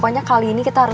pasti opa davin datang